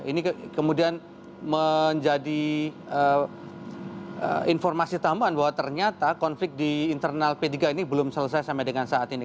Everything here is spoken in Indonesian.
ini kemudian menjadi informasi tambahan bahwa ternyata konflik di internal p tiga ini belum selesai sampai dengan saat ini